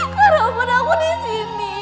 kak rahman aku disini